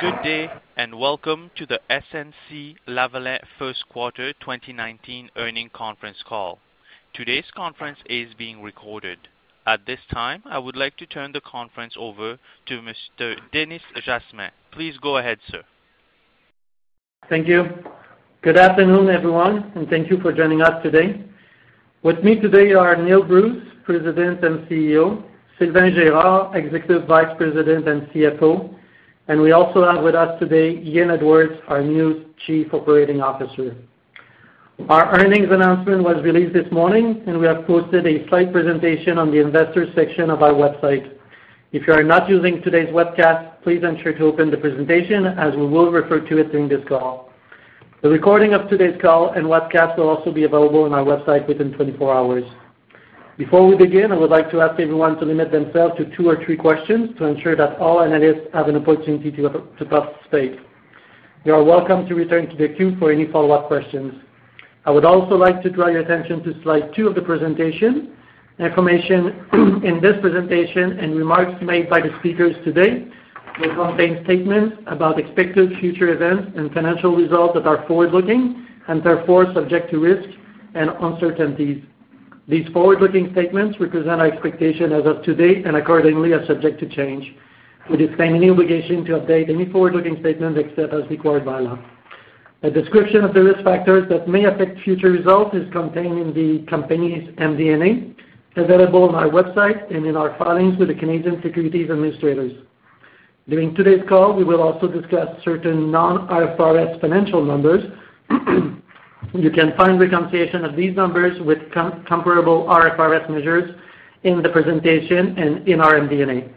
Good day. Welcome to the SNC-Lavalin first quarter 2019 earnings conference call. Today's conference is being recorded. At this time, I would like to turn the conference over to Mr. Denis Jasmin. Please go ahead, sir. Thank you. Good afternoon, everyone. Thank you for joining us today. With me today are Neil Bruce, President and Chief Executive Officer, Sylvain Girard, Executive Vice President and Chief Financial Officer. We also have with us today, Ian Edwards, our new Chief Operating Officer. Our earnings announcement was released this morning. We have posted a slide presentation on the investors section of our website. If you are not using today's webcast, please ensure to open the presentation as we will refer to it during this call. The recording of today's call and webcast will also be available on our website within 24 hours. Before we begin, I would like to ask everyone to limit themselves to two or three questions to ensure that all analysts have an opportunity to participate. You are welcome to return to the queue for any follow-up questions. I would also like to draw your attention to slide two of the presentation. Information in this presentation and remarks made by the speakers today will contain statements about expected future events and financial results that are forward-looking and therefore subject to risks and uncertainties. These forward-looking statements represent our expectation as of to date. Accordingly are subject to change. We disclaim any obligation to update any forward-looking statements except as required by law. A description of the risk factors that may affect future results is contained in the company's MD&A, available on our website and in our filings with the Canadian Securities Administrators. During today's call, we will also discuss certain non-IFRS financial numbers. You can find reconciliation of these numbers with comparable IFRS measures in the presentation and in our MD&A.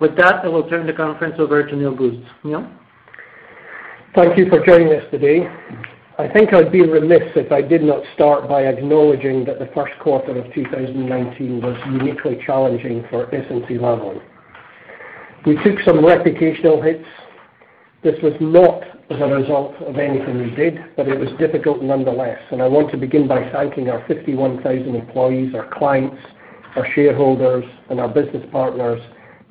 With that, I will turn the conference over to Neil Bruce. Neil. Thank you for joining us today. I think I'd be remiss if I did not start by acknowledging that the first quarter of 2019 was uniquely challenging for SNC-Lavalin. We took some reputational hits. This was not as a result of anything we did, but it was difficult nonetheless. I want to begin by thanking our 51,000 employees, our clients, our shareholders, and our business partners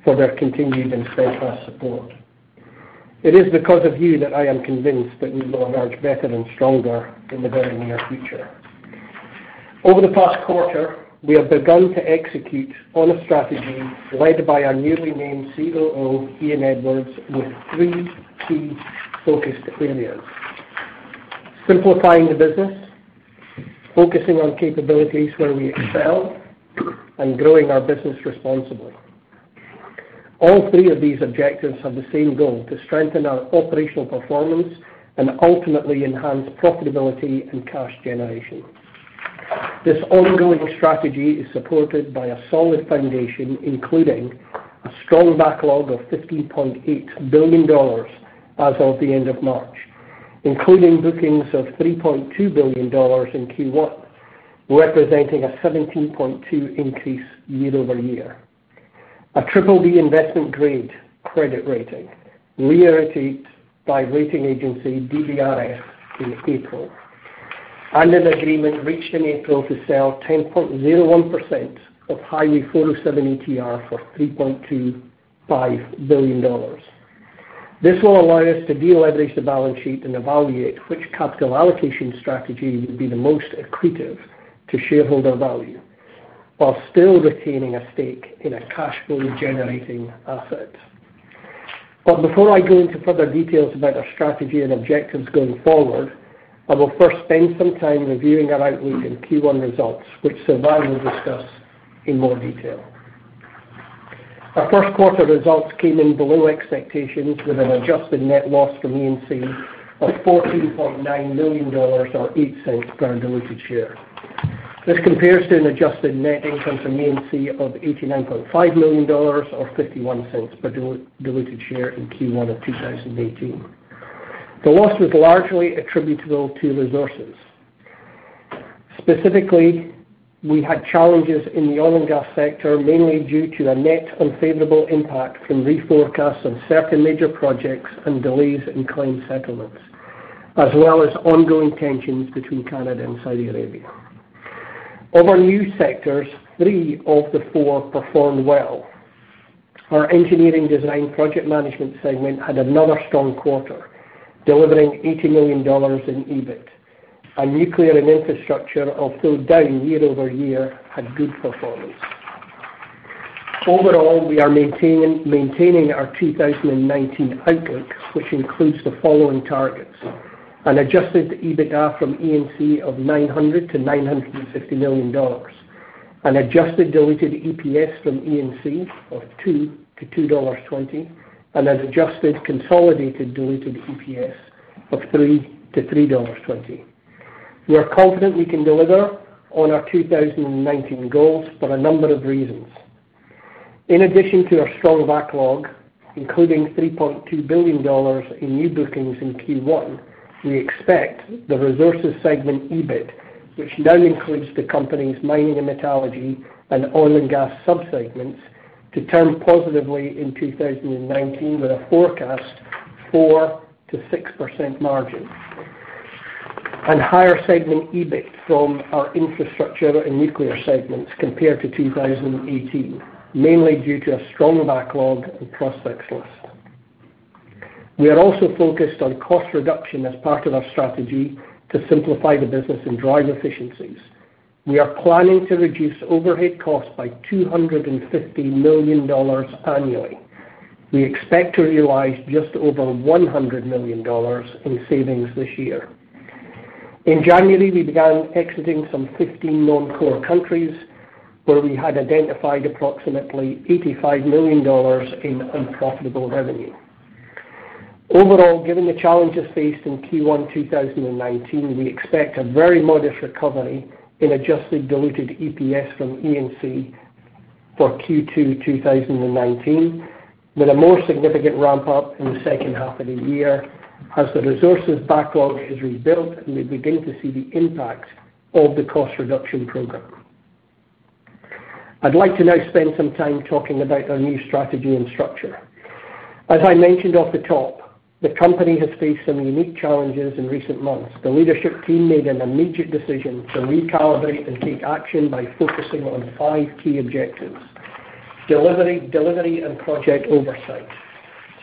for their continued and steadfast support. It is because of you that I am convinced that we will emerge better and stronger in the very near future. Over the past quarter, we have begun to execute on a strategy led by our newly named COO, Ian Edwards, with three key focused areas: simplifying the business, focusing on capabilities where we excel, and growing our business responsibly. All three of these objectives have the same goal, to strengthen our operational performance and ultimately enhance profitability and cash generation. This ongoing strategy is supported by a solid foundation, including a strong backlog of 50.8 billion dollars as of the end of March, including bookings of 3.2 billion dollars in Q1, representing a 17.2% increase year-over-year. A BBB investment grade credit rating, reiterated by rating agency DBRS in April. An agreement reached in April to sell 10.01% of Highway 407 ETR for 3.25 billion dollars. This will allow us to de-leverage the balance sheet and evaluate which capital allocation strategy will be the most accretive to shareholder value, while still retaining a stake in a cash flow-generating asset. Before I go into further details about our strategy and objectives going forward, I will first spend some time reviewing our outlook and Q1 results, which Sylvain will discuss in more detail. Our first quarter results came in below expectations with an adjusted net loss from E&C of 14.9 million dollars, or 0.08 per diluted share. This compares to an adjusted net income from E&C of 89.5 million dollars, or 0.51 per diluted share in Q1 of 2018. The loss was largely attributable to resources. Specifically, we had challenges in the oil and gas sector, mainly due to a net unfavorable impact from reforecasts of certain major projects and delays in claim settlements, as well as ongoing tensions between Canada and Saudi Arabia. Of our new sectors, three of the four performed well. Our Engineering, Design and Project Management segment had another strong quarter, delivering 80 million dollars in EBIT. Our nuclear and infrastructure, although down year-over-year, had good performance. Overall, we are maintaining our 2019 outlook, which includes the following targets: An adjusted EBITDA from E&C of 900 million-950 million dollars, an adjusted diluted EPS from E&C of 2.00-2.20 dollars, and an adjusted consolidated diluted EPS of 3.00-3.20 dollars. We are confident we can deliver on our 2019 goals for a number of reasons. In addition to our strong backlog, including 3.2 billion dollars in new bookings in Q1, we expect the resources segment EBIT, which now includes the company's mining and metallurgy and oil and gas subsegments, to turn positively in 2019 with a forecast 4%-6% margin. Higher segment EBIT from our infrastructure and nuclear segments compared to 2018, mainly due to a strong backlog and prospects list. We are also focused on cost reduction as part of our strategy to simplify the business and drive efficiencies. We are planning to reduce overhead costs by 250 million dollars annually. We expect to realize just over 100 million dollars in savings this year. In January, we began exiting some 15 non-core countries, where we had identified approximately 85 million dollars in unprofitable revenue. Overall, given the challenges faced in Q1 2019, we expect a very modest recovery in adjusted diluted EPS from E&C for Q2 2019, with a more significant ramp-up in the second half of the year as the resources backlog is rebuilt. We begin to see the impact of the cost reduction program. I'd like to now spend some time talking about our new strategy and structure. As I mentioned off the top, the company has faced some unique challenges in recent months. The leadership team made an immediate decision to recalibrate and take action by focusing on five key objectives. Delivery and project oversight,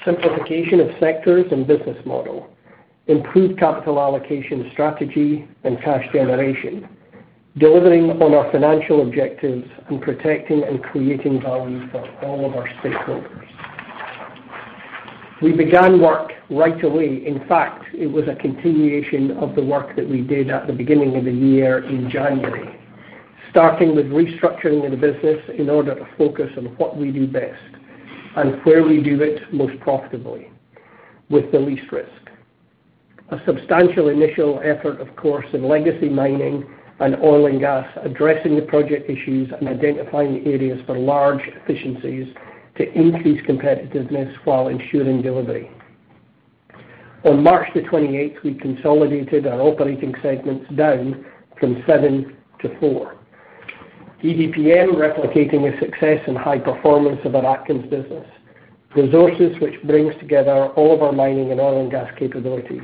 simplification of sectors and business model, improved capital allocation strategy and cash generation, delivering on our financial objectives, and protecting and creating value for all of our stakeholders. We began work right away. In fact, it was a continuation of the work that we did at the beginning of the year in January, starting with restructuring the business in order to focus on what we do best and where we do it most profitably with the least risk. A substantial initial effort, of course, in legacy mining and oil and gas, addressing the project issues and identifying the areas for large efficiencies to increase competitiveness while ensuring delivery. On March 28th, we consolidated our operating segments down from seven to four. EDPM replicating the success and high performance of our Atkins business. Resources which brings together all of our mining and oil and gas capabilities.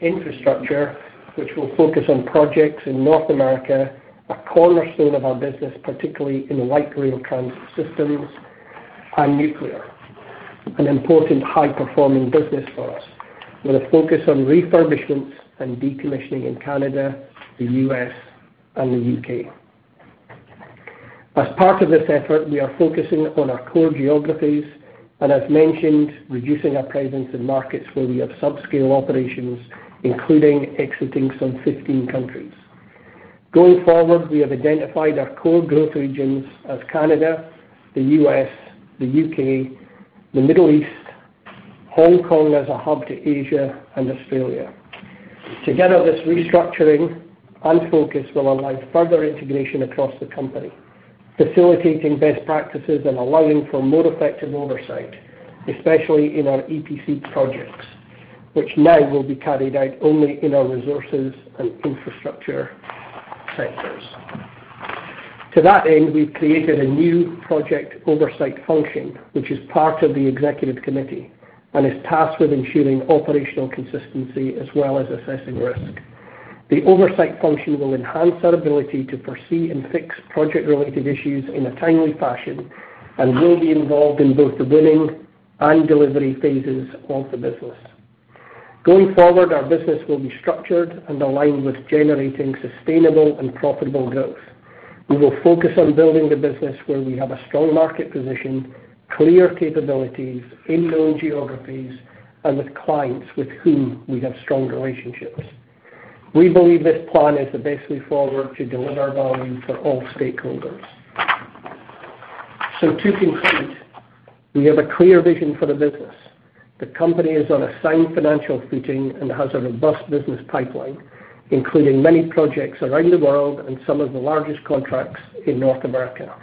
Infrastructure, which will focus on projects in North America, a cornerstone of our business, particularly in light rail transit systems. Nuclear, an important high-performing business for us, with a focus on refurbishments and decommissioning in Canada, the U.S., and the U.K. As part of this effort, we are focusing on our core geographies and, as mentioned, reducing our presence in markets where we have subscale operations, including exiting some 15 countries. Going forward, we have identified our core growth regions as Canada, the U.S., the U.K., the Middle East, Hong Kong as a hub to Asia, and Australia. Together, this restructuring and focus will allow further integration across the company, facilitating best practices and allowing for more effective oversight, especially in our EPC projects, which now will be carried out only in our resources and infrastructure sectors. To that end, we've created a new project oversight function, which is part of the executive committee and is tasked with ensuring operational consistency as well as assessing risk. The oversight function will enhance our ability to foresee and fix project-related issues in a timely fashion and will be involved in both the winning and delivery phases of the business. Going forward, our business will be structured and aligned with generating sustainable and profitable growth. We will focus on building the business where we have a strong market position, clear capabilities in known geographies, and with clients with whom we have strong relationships. To conclude, we have a clear vision for the business. The company is on a sound financial footing and has a robust business pipeline, including many projects around the world and some of the largest contracts in North America.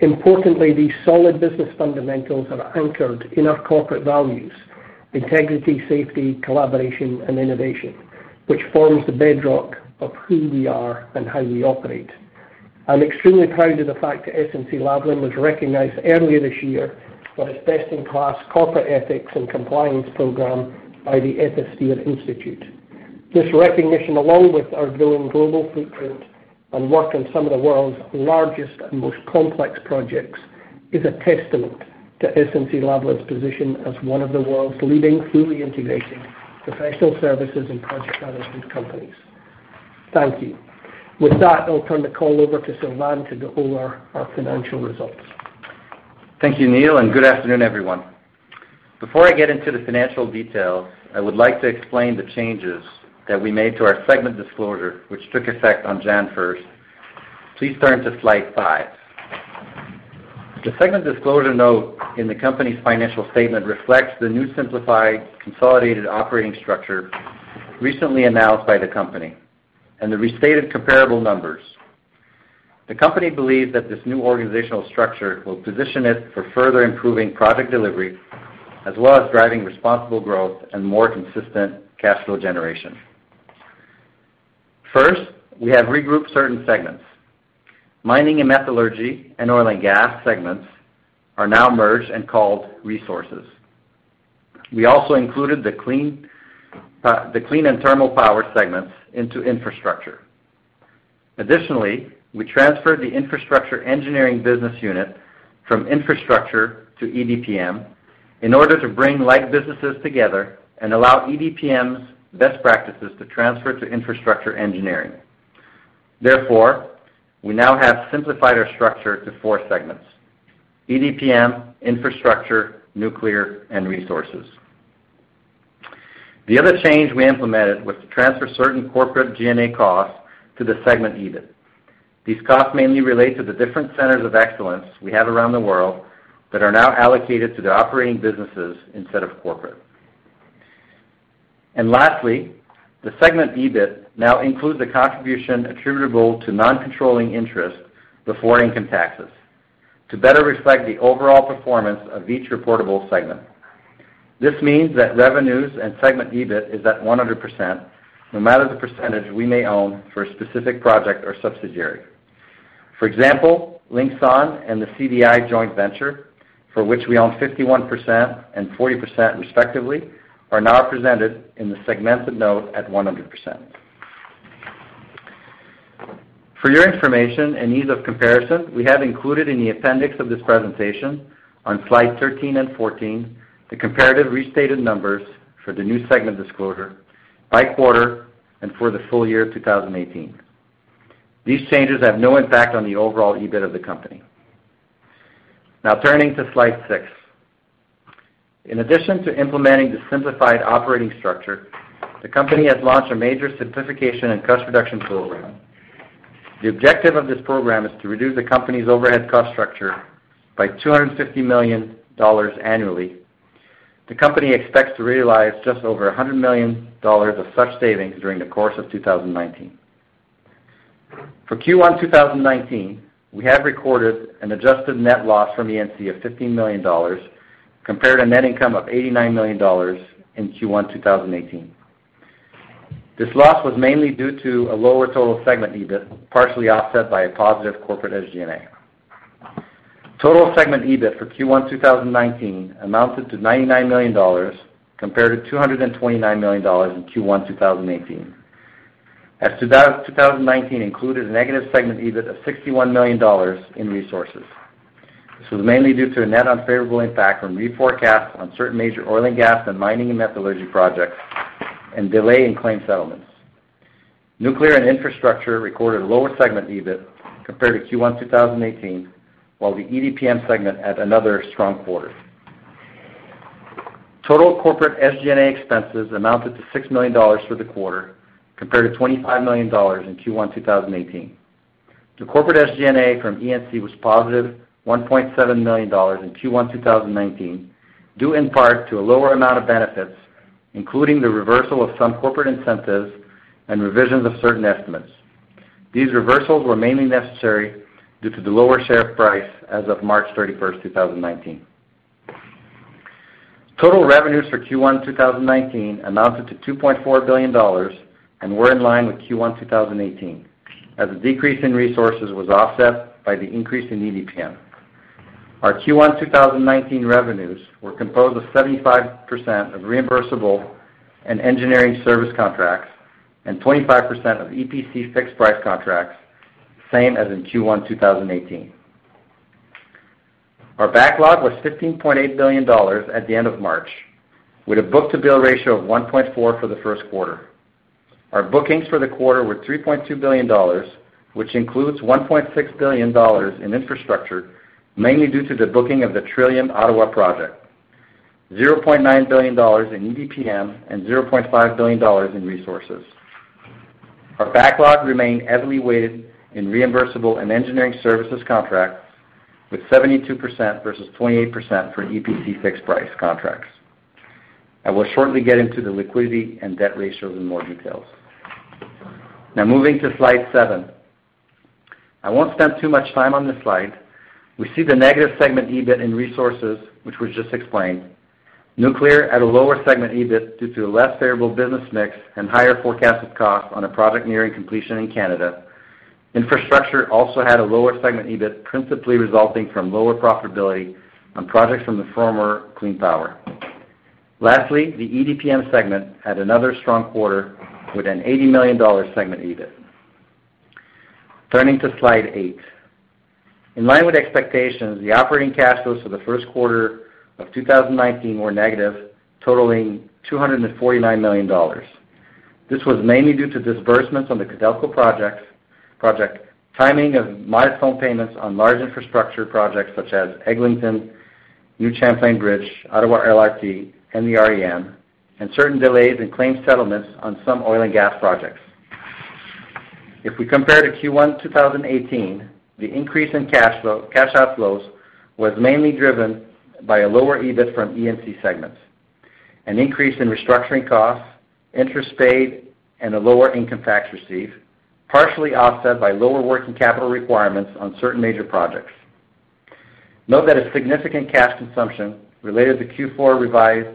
Importantly, these solid business fundamentals are anchored in our corporate values, integrity, safety, collaboration, and innovation, which forms the bedrock of who we are and how we operate. I'm extremely proud of the fact that SNC-Lavalin was recognized earlier this year for its best-in-class corporate ethics and compliance program by the Ethisphere Institute. This recognition, along with our growing global footprint and work on some of the world's largest and most complex projects, is a testament to SNC-Lavalin's position as one of the world's leading fully integrated professional services and project management companies. Thank you. With that, I'll turn the call over to Sylvain to go over our financial results. Thank you, Neil. Good afternoon, everyone. Before I get into the financial details, I would like to explain the changes that we made to our segment disclosure, which took effect on January 1st. Please turn to slide five. The segment disclosure note in the company's financial statement reflects the new simplified, consolidated operating structure recently announced by the company and the restated comparable numbers. The company believes that this new organizational structure will position it for further improving project delivery, as well as driving responsible growth and more consistent cash flow generation. First, we have regrouped certain segments. Mining and metallurgy and oil and gas segments are now merged and called resources. We also included the Clean Power and thermal power segments into infrastructure. Additionally, we transferred the infrastructure engineering business unit from infrastructure to EDPM in order to bring like businesses together and allow EDPM's best practices to transfer to infrastructure engineering. Therefore, we now have simplified our structure to four segments: EDPM, infrastructure, nuclear, and resources. The other change we implemented was to transfer certain corporate G&A costs to the segment EBIT. These costs mainly relate to the different centers of excellence we have around the world that are now allocated to the operating businesses instead of corporate. Lastly, the segment EBIT now includes a contribution attributable to non-controlling interest before income taxes to better reflect the overall performance of each reportable segment. This means that revenues and segment EBIT is at 100%, no matter the percentage we may own for a specific project or subsidiary. For example, Linxon and the CDI joint venture, for which we own 51% and 40% respectively, are now presented in the segmented note at 100%. For your information and ease of comparison, we have included in the appendix of this presentation on slides 13 and 14, the comparative restated numbers for the new segment disclosure by quarter and for the full year 2018. These changes have no impact on the overall EBIT of the company. Turning to slide six. In addition to implementing the simplified operating structure, the company has launched a major simplification and cost reduction program. The objective of this program is to reduce the company's overhead cost structure by 250 million dollars annually. The company expects to realize just over 100 million dollars of such savings during the course of 2019. For Q1 2019, we have recorded an adjusted net loss from E&C of 15 million dollars, compared to net income of 89 million dollars in Q1 2018. This loss was mainly due to a lower total segment EBIT, partially offset by a positive corporate SG&A. Total segment EBIT for Q1 2019 amounted to 99 million dollars, compared to 229 million dollars in Q1 2018, as 2019 included a negative segment EBIT of 61 million dollars in resources. This was mainly due to a net unfavorable impact from reforecast on certain major oil and gas and mining and metallurgy projects and delay in claim settlements. Nuclear and infrastructure recorded a lower segment EBIT compared to Q1 2018, while the EDPM segment had another strong quarter. Total corporate SG&A expenses amounted to 6 million dollars for the quarter, compared to 25 million dollars in Q1 2018. The corporate SG&A from E&C was positive 1.7 million dollars in Q1 2019, due in part to a lower amount of benefits, including the reversal of some corporate incentives and revisions of certain estimates. These reversals were mainly necessary due to the lower share price as of March 31st, 2019. Total revenues for Q1 2019 amounted to 2.4 billion dollars and were in line with Q1 2018, as the decrease in resources was offset by the increase in EDPM. Our Q1 2019 revenues were composed of 75% of reimbursable and engineering service contracts and 25% of EPC fixed price contracts, same as in Q1 2018. Our backlog was 15.8 billion dollars at the end of March, with a book-to-bill ratio of 1.4 for the first quarter. Our bookings for the quarter were 3.2 billion dollars, which includes 1.6 billion dollars in infrastructure, mainly due to the booking of the Trillium Ottawa project, 0.9 billion dollars in EDPM, and 0.5 billion dollars in resources. Our backlog remained heavily weighted in reimbursable and engineering services contracts with 72% versus 28% for EPC fixed price contracts. I will shortly get into the liquidity and debt ratios in more details. Now, moving to slide seven. I won't spend too much time on this slide. We see the negative segment EBIT in resources, which was just explained. Nuclear had a lower segment EBIT due to a less favorable business mix and higher forecasted costs on a project nearing completion in Canada. Infrastructure also had a lower segment EBIT, principally resulting from lower profitability on projects from the former Clean Power. Lastly, the EDPM segment had another strong quarter with a 80 million dollar segment EBIT. Turning to slide eight. In line with expectations, the operating cash flows for the first quarter of 2019 were negative, totaling 249 million dollars. This was mainly due to disbursements on the Codelco project, timing of milestone payments on large infrastructure projects such as Eglinton, New Champlain Bridge, Ottawa LRT, and the REM, and certain delays in claim settlements on some oil and gas projects. If we compare to Q1 2018, the increase in cash outflows was mainly driven by a lower EBIT from E&C segments, an increase in restructuring costs, interest paid, and a lower income tax received, partially offset by lower working capital requirements on certain major projects. Note that a significant cash consumption related to Q4 revised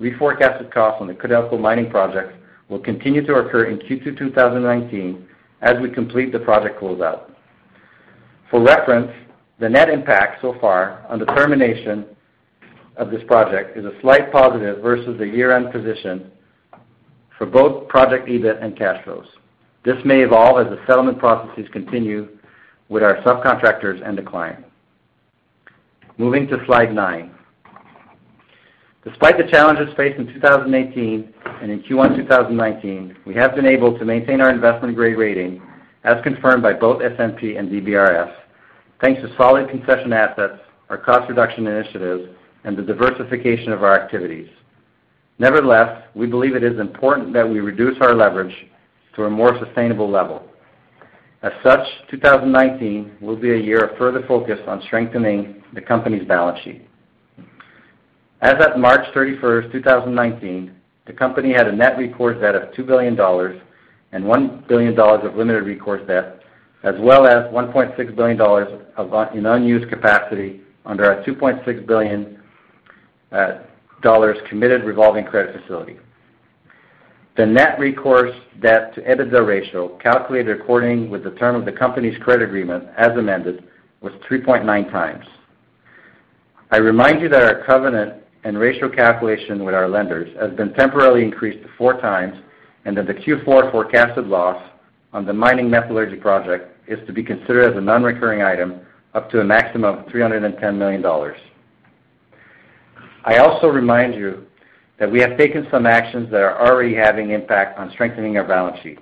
reforecasted costs on the Codelco mining projects will continue to occur in Q2 2019 as we complete the project closeout. For reference, the net impact so far on the termination of this project is a slight positive versus the year-end position for both project EBIT and cash flows. This may evolve as the settlement processes continue with our subcontractors and the client. Moving to slide nine. Despite the challenges faced in 2018 and in Q1 2019, we have been able to maintain our investment-grade rating as confirmed by both S&P and DBRS, thanks to solid concession assets, our cost reduction initiatives, and the diversification of our activities. Nevertheless, we believe it is important that we reduce our leverage to a more sustainable level. As such, 2019 will be a year of further focus on strengthening the company's balance sheet. As at March 31st, 2019, the company had a net recourse debt of 2 billion dollars and 1 billion dollars of limited recourse debt, as well as 1.6 billion dollars in unused capacity under our 2.6 billion dollars committed revolving credit facility. The net recourse debt-to-EBITDA ratio, calculated according with the term of the company's credit agreement as amended, was 3.9 times. I remind you that our covenant and ratio calculation with our lenders has been temporarily increased to four times, and that the Q4 forecasted loss on the mining metallurgy project is to be considered as a non-recurring item up to a maximum of 310 million dollars. I also remind you that we have taken some actions that are already having impact on strengthening our balance sheet.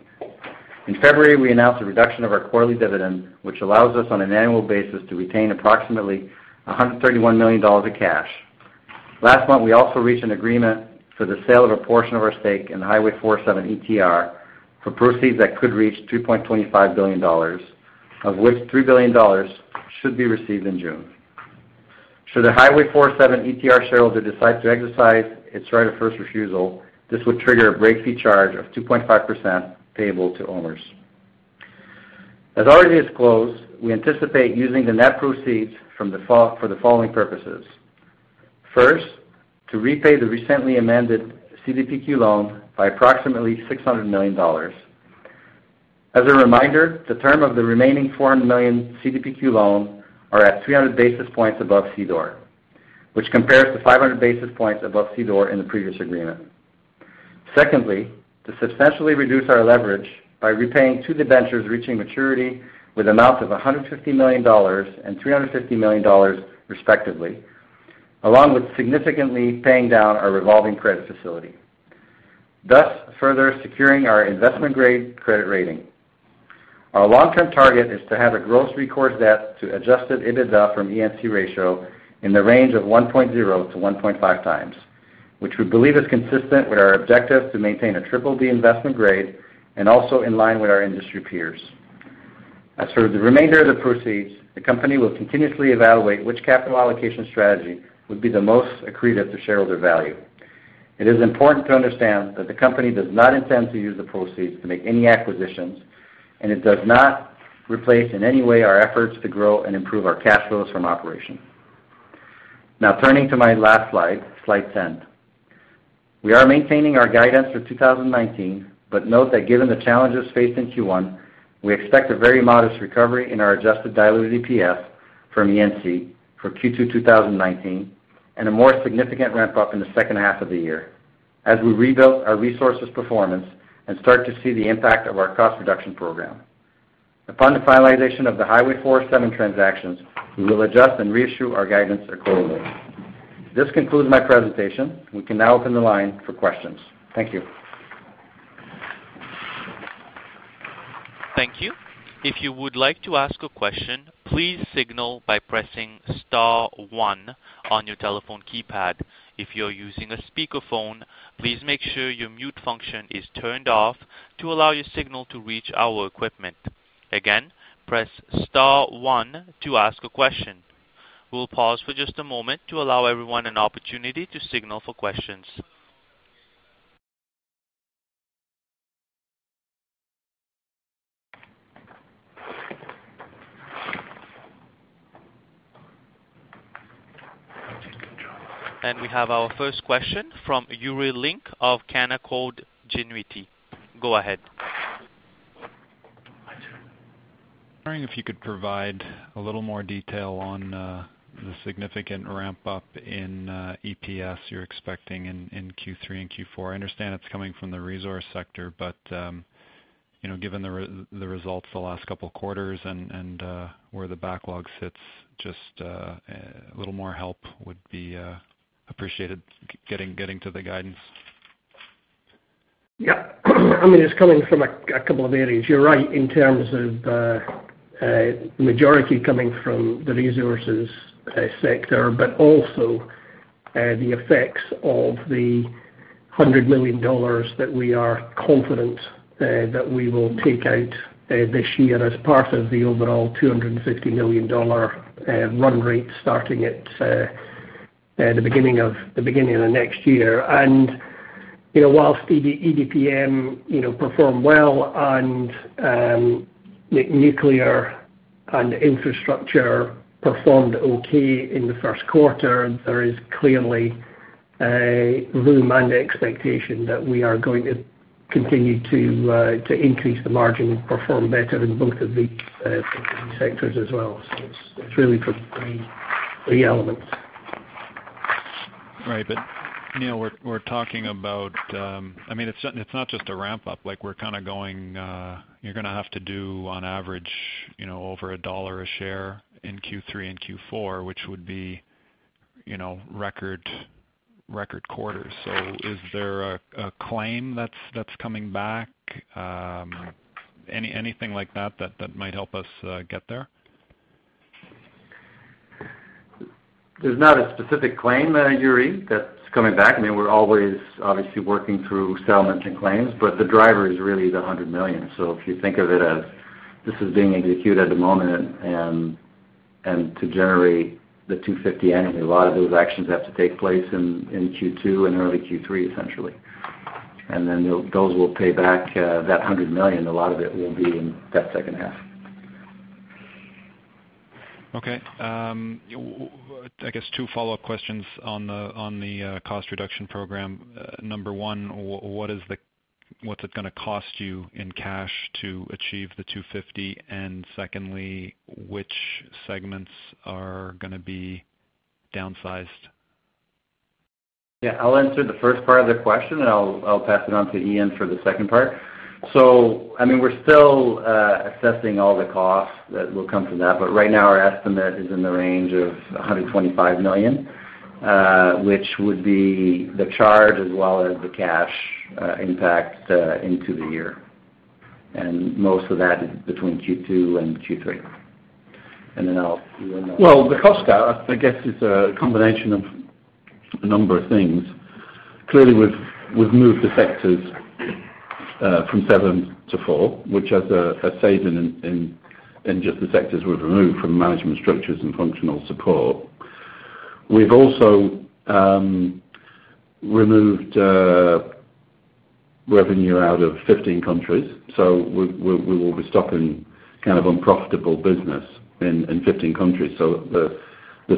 In February, we announced a reduction of our quarterly dividend, which allows us on an annual basis to retain approximately 131 million dollars of cash. Last month, we also reached an agreement for the sale of a portion of our stake in Highway 407 ETR for proceeds that could reach 3.25 billion dollars, of which 3 billion dollars should be received in June. Should the Highway 407 ETR shareholder decide to exercise its right of first refusal, this would trigger a break fee charge of 2.5% payable to owners. As already disclosed, we anticipate using the net proceeds for the following purposes. First, to repay the recently amended CDPQ loan by approximately 600 million dollars. As a reminder, the term of the remaining 400 million CDPQ loan are at 300 basis points above CDOR, which compares to 500 basis points above CDOR in the previous agreement. Secondly, to substantially reduce our leverage by repaying two debentures reaching maturity with amounts of 150 million dollars and 350 million dollars, respectively, along with significantly paying down our revolving credit facility, thus further securing our investment-grade credit rating. Our long-term target is to have a gross recourse debt to adjusted EBITDA from E&C ratio in the range of 1.0 to 1.5 times, which we believe is consistent with our objective to maintain a BBB investment grade and also in line with our industry peers. As for the remainder of the proceeds, the company will continuously evaluate which capital allocation strategy would be the most accretive to shareholder value. It is important to understand that the company does not intend to use the proceeds to make any acquisitions, and it does not replace in any way our efforts to grow and improve our cash flows from operations. Turning to my last slide 10. We are maintaining our guidance for 2019, note that given the challenges faced in Q1, we expect a very modest recovery in our adjusted diluted EPS from E&C for Q2 2019 and a more significant ramp up in the second half of the year as we rebuild our resources performance and start to see the impact of our cost reduction program. Upon the finalization of the Highway 407 transactions, we will adjust and reissue our guidance accordingly. This concludes my presentation. We can now open the line for questions. Thank you. Thank you. If you would like to ask a question, please signal by pressing *1 on your telephone keypad. If you're using a speakerphone, please make sure your mute function is turned off to allow your signal to reach our equipment. Again, press *1 to ask a question. We will pause for just a moment to allow everyone an opportunity to signal for questions. We have our first question from Yuri Lynk of Canaccord Genuity. Go ahead. Wondering if you could provide a little more detail on the significant ramp up in EPS you're expecting in Q3 and Q4. I understand it is coming from the resource sector, given the results the last couple of quarters and where the backlog sits, just a little more help would be appreciated getting to the guidance. Yeah. It is coming from a couple of areas. You are right in terms of the majority coming from the resources sector, also the effects of the 100 million dollars that we are confident that we will take out this year as part of the overall 250 million dollar run rate starting at the beginning of the next year. Whilst EDPM performed well and Nuclear and Infrastructure performed okay in the first quarter, there is clearly room and expectation that we are going to continue to increase the margin and perform better in both of these sectors as well. It's really for three elements. Right. We're talking about It's not just a ramp-up. You're going to have to do, on average, over CAD 1 a share in Q3 and Q4, which would be record quarters. Is there a claim that's coming back? Anything like that might help us get there? There's not a specific claim, Yuri, that's coming back. We're always, obviously, working through settlements and claims, the driver is really the 100 million. If you think of it as this is being executed at the moment, to generate the 250 million annually, a lot of those actions have to take place in Q2 and early Q3, essentially. Those will pay back that 100 million. A lot of it will be in that second half. Okay. I guess two follow-up questions on the cost reduction program. Number one, what's it going to cost you in cash to achieve the 250 million? Secondly, which segments are going to be downsized? Yeah, I'll answer the first part of the question, and I'll pass it on to Ian for the second part. We're still assessing all the costs that will come from that. Right now, our estimate is in the range of 125 million, which would be the charge as well as the cash impact into the year. Most of that is between Q2 and Q3. Well, the cost, I guess, is a combination of a number of things. Clearly, we've moved the sectors from seven to four, which has a saving in just the sectors we've removed from management structures and functional support. We've also removed revenue out of 15 countries. We will be stopping unprofitable business in 15 countries. The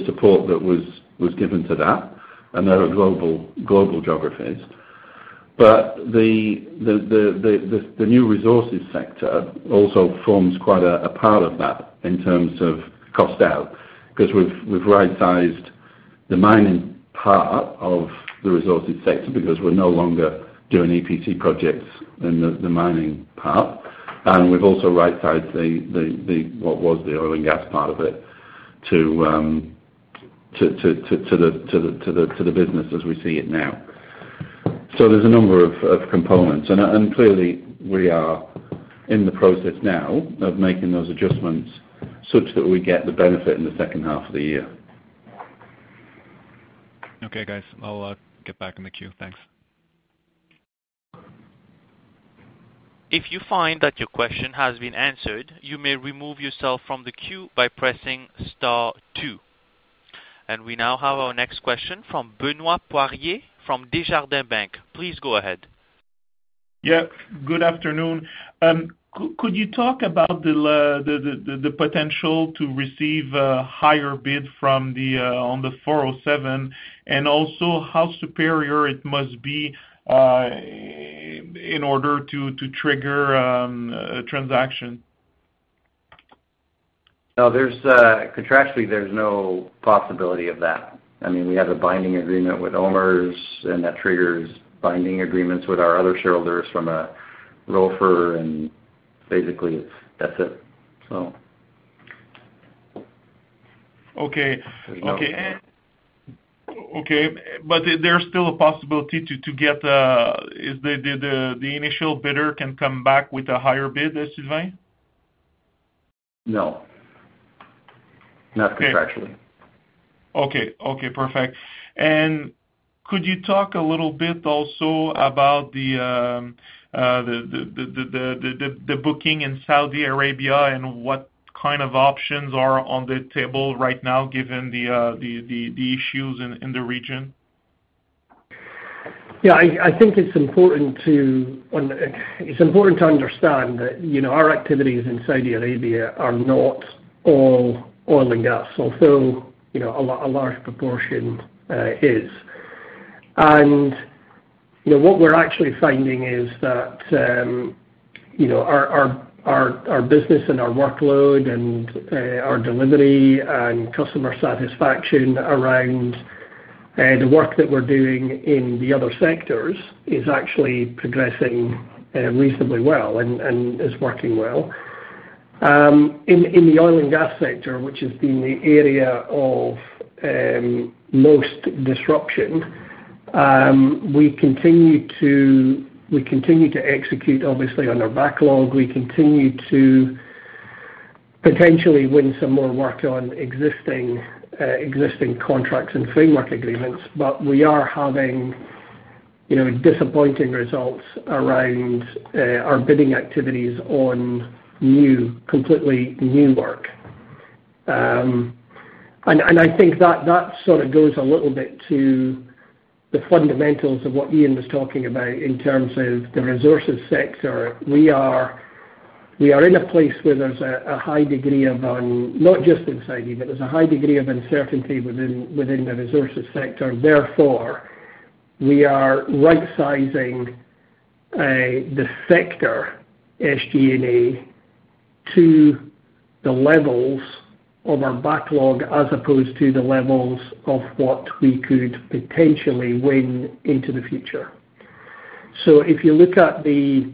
support that was given to that, and they're global geographies. The new resources sector also forms quite a part of that in terms of cost out, because we've right-sized the mining part of the resources sector because we're no longer doing EPC projects in the mining part. We've also right-sized what was the oil and gas part of it to the business as we see it now. There's a number of components, and clearly, we are in the process now of making those adjustments such that we get the benefit in the second half of the year. Okay, guys. I'll get back in the queue. Thanks. If you find that your question has been answered, you may remove yourself from the queue by pressing star two. We now have our next question from Benoit Poirier from Desjardins Bank. Please go ahead. Yeah, good afternoon. Could you talk about the potential to receive a higher bid on the 407, and also how superior it must be in order to trigger a transaction? No. Contractually, there's no possibility of that. We have a binding agreement with OMERS, that triggers binding agreements with our other shareholders from a ROFR, basically, that's it. Okay. There's no- Okay. There's still a possibility the initial bidder can come back with a higher bid, Sylvain? No. Not contractually. Okay. Perfect. Could you talk a little bit also about the booking in Saudi Arabia and what kind of options are on the table right now given the issues in the region? Yeah, I think it's important to understand that our activities in Saudi Arabia are not all oil and gas, although a large proportion is. What we're actually finding is that our business and our workload and our delivery and customer satisfaction around the work that we're doing in the other sectors is actually progressing reasonably well and is working well. In the oil and gas sector, which has been the area of most disruption, we continue to execute, obviously, on our backlog. We continue to potentially win some more work on existing contracts and framework agreements. We are having disappointing results around our bidding activities on completely new work. I think that sort of goes a little bit to the fundamentals of what Ian was talking about in terms of the resources sector. We are in a place where there's a high degree of, not just anxiety, but there's a high degree of uncertainty within the resources sector. We are rightsizing the sector, SG&A, to the levels of our backlog as opposed to the levels of what we could potentially win into the future. If you look at the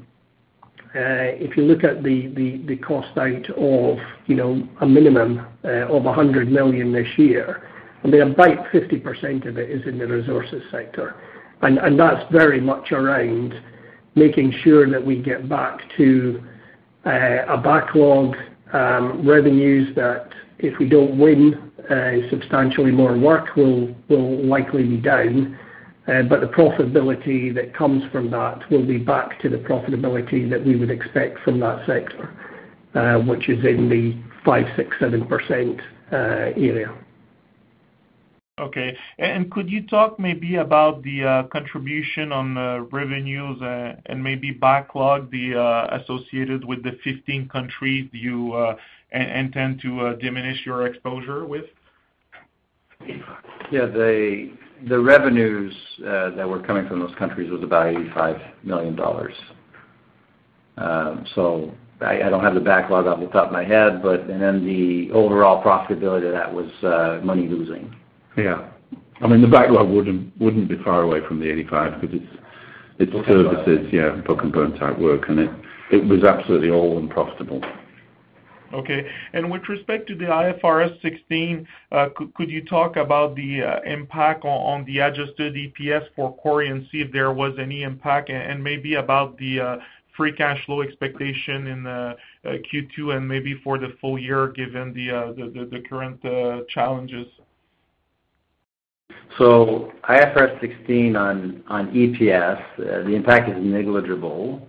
cost out of a minimum of 100 million this year, I mean about 50% of it is in the resources sector. That's very much around making sure that we get back to a backlog revenues that, if we don't win, substantially more work will likely be down. The profitability that comes from that will be back to the profitability that we would expect from that sector, which is in the 5%, 6%, 7% area. Okay. Could you talk maybe about the contribution on revenues and maybe backlog associated with the 15 countries you intend to diminish your exposure with? Yeah. The revenues that were coming from those countries was about 85 million dollars. I don't have the backlog off the top of my head, but then the overall profitability of that was money losing. Yeah. I mean, the backlog wouldn't be far away from the 85 because it's services. Okay. Yeah, book and burn type work, and it was absolutely all unprofitable. Okay. With respect to the IFRS 16, could you talk about the impact on the adjusted EPS for Quarry and see if there was any impact? Maybe about the free cash flow expectation in Q2 and maybe for the full year, given the current challenges. IFRS 16 on EPS, the impact is negligible.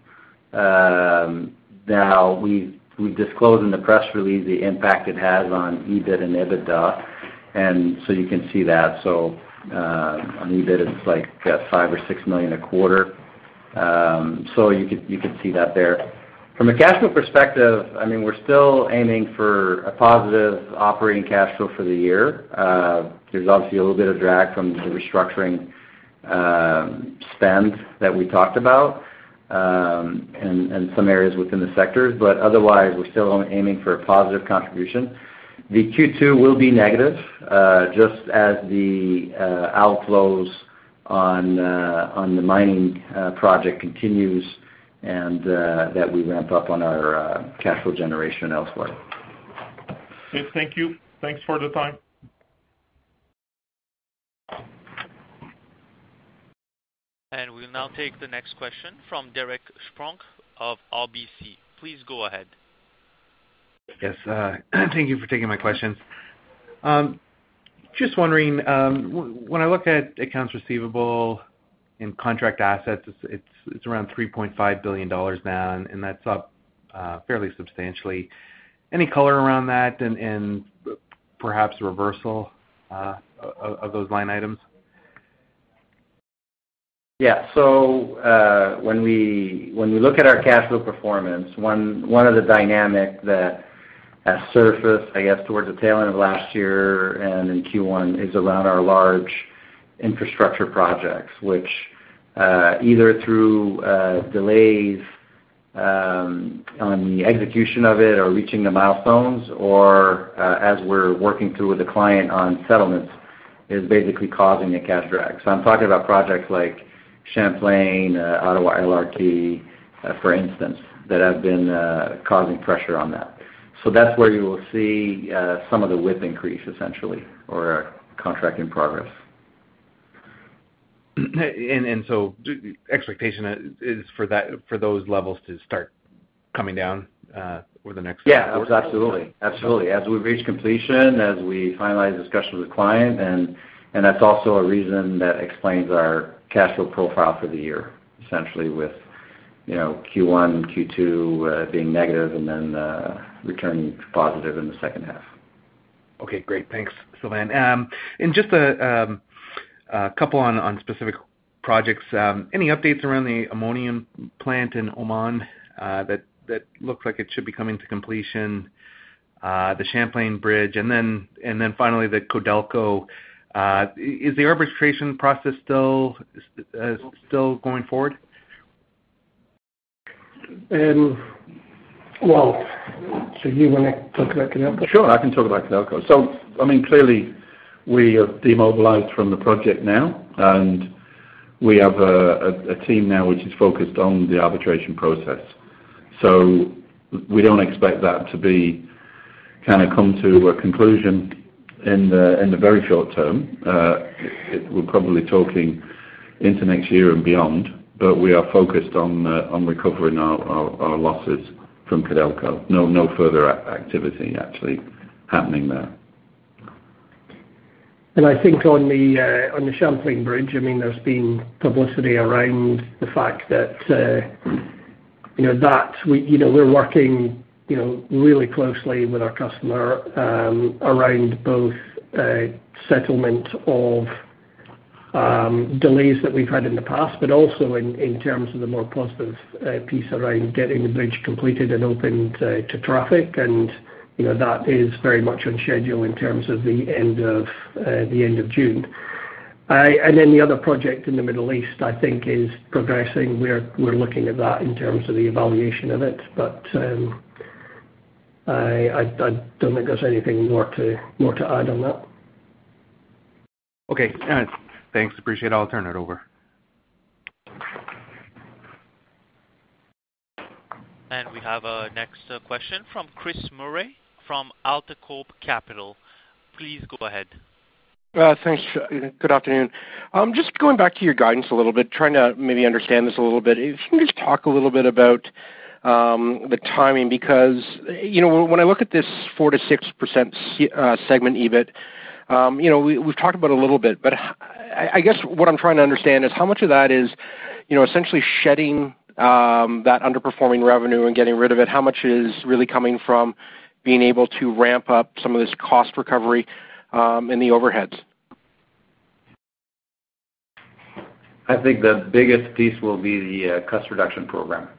Now, we've disclosed in the press release the impact it has on EBIT and EBITDA, you can see that. On EBIT, it's like five or six million CAD a quarter. You could see that there. From a cash flow perspective, I mean, we're still aiming for a positive operating cash flow for the year. There's obviously a little bit of drag from the restructuring spend that we talked about, and some areas within the sectors. Otherwise, we're still aiming for a positive contribution. The Q2 will be negative, just as the outflows on the mining project continues and that we ramp up on our cash flow generation elsewhere. Okay, thank you. Thanks for the time. We'll now take the next question from Derek Spronck of RBC. Please go ahead. Yes. Thank you for taking my questions. Just wondering, when I look at accounts receivable and contract assets, it's around 3.5 billion dollars now, and that's up fairly substantially. Any color around that and perhaps reversal of those line items? When we look at our cash flow performance, one of the dynamic that has surfaced, I guess towards the tail end of last year and in Q1, is around our large infrastructure projects. Which either through delays on the execution of it or reaching the milestones or, as we're working through with a client on settlements, is basically causing a cash drag. I'm talking about projects like Champlain, Ottawa LRT, for instance, that have been causing pressure on that. That's where you will see some of the WIP increase, essentially, or contract in progress. Expectation is for those levels to start coming down over the next quarter? Yeah. Absolutely. As we reach completion, as we finalize discussions with the client, and that's also a reason that explains our cash flow profile for the year, essentially with Q1 and Q2 being negative and then returning to positive in the second half. Okay, great. Thanks, Sylvain. Just a couple on specific projects. Any updates around the ammonia plant in Oman? That looks like it should be coming to completion. The Champlain Bridge, and then finally the Codelco. Is the arbitration process still going forward? Well, you want to talk about Codelco? Sure, I can talk about Codelco. I mean, clearly we are demobilized from the project now, and we have a team now which is focused on the arbitration process. We don't expect that to be kind of come to a conclusion in the very short term. We're probably talking into next year and beyond, we are focused on recovering our losses from Codelco. No further activity actually happening there. I think on the Champlain Bridge, there's been publicity around the fact that we're working really closely with our customer around both settlement of delays that we've had in the past, also in terms of the more positive piece around getting the bridge completed and opened to traffic. That is very much on schedule in terms of the end of June. The other project in the Middle East, I think, is progressing. We're looking at that in terms of the evaluation of it. I don't think there's anything more to add on that. Okay. Thanks. Appreciate it. I'll turn it over. We have our next question from Chris Murray from AltaCorp Capital. Please go ahead. Thanks. Good afternoon. Going back to your guidance a little bit, trying to maybe understand this a little bit. Can you just talk a little bit about the timing? When I look at this 4%-6% segment EBIT, we've talked about a little bit, but I guess what I'm trying to understand is how much of that is essentially shedding that underperforming revenue and getting rid of it? How much is really coming from being able to ramp up some of this cost recovery in the overheads? I think the biggest piece will be the cost reduction program.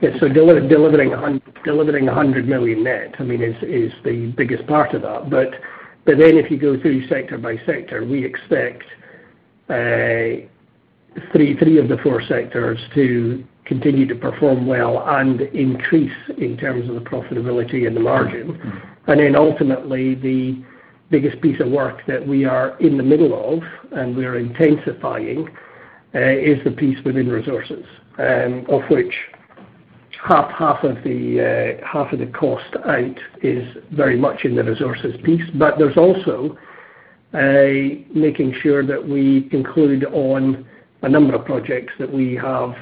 Delivering 100 million net is the biggest part of that. If you go through sector by sector, we expect three of the four sectors to continue to perform well and increase in terms of the profitability and the margin. Ultimately, the biggest piece of work that we are in the middle of, and we are intensifying, is the piece within resources, of which half of the cost out is very much in the resources piece. There's also making sure that we conclude on a number of projects that we have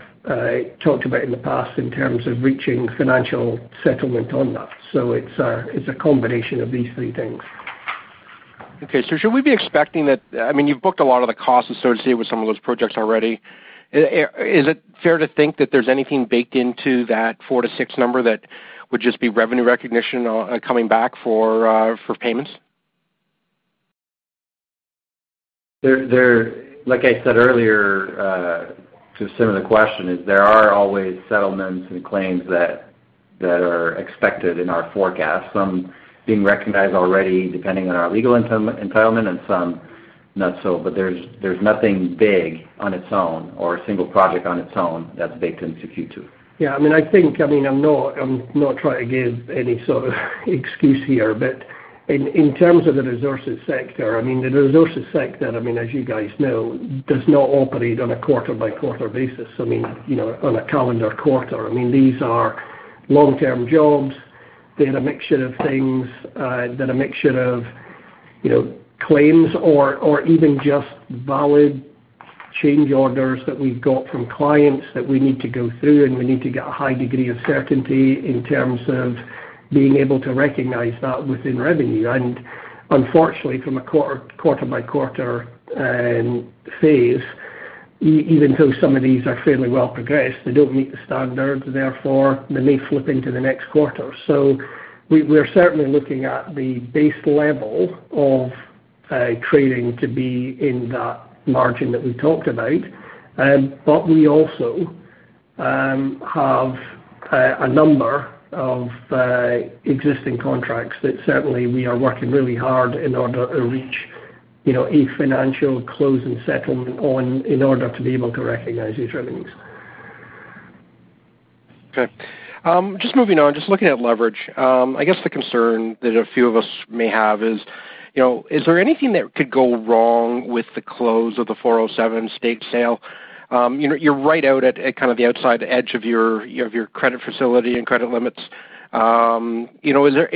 talked about in the past in terms of reaching financial settlement on that. It's a combination of these three things. Should we be expecting that you've booked a lot of the costs associated with some of those projects already? Is it fair to think that there's anything baked into that 4-6 number that would just be revenue recognition coming back for payments? Like I said earlier to a similar question, there are always settlements and claims that are expected in our forecast, some being recognized already, depending on our legal entitlement, and some not so. There's nothing big on its own or a single project on its own that's baked into Q2. Yeah. I'm not trying to give any sort of excuse here. In terms of the resources sector, the resources sector, as you guys know, does not operate on a quarter-by-quarter basis, on a calendar quarter. These are long-term jobs. They had a mixture of things, they had a mixture of claims or even just valid change orders that we've got from clients that we need to go through, and we need to get a high degree of certainty in terms of being able to recognize that within revenue. Unfortunately, from a quarter-by-quarter phase, even though some of these are fairly well progressed, they don't meet the standard, therefore they may flip into the next quarter. We're certainly looking at the base level of trading to be in that margin that we talked about. We also have a number of existing contracts that certainly we are working really hard in order to reach a financial close and settlement on in order to be able to recognize these revenues. Okay. Just moving on, just looking at leverage. I guess the concern that a few of us may have is: Is there anything that could go wrong with the close of the 407 stake sale? You're right out at kind of the outside edge of your credit facility and credit limits. Is there